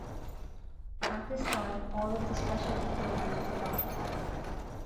At this time, all of the specialty programs were dropped.